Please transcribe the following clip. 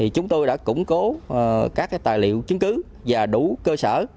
chúng tôi đã củng cố các tài liệu chứng cứ và đủ cơ sở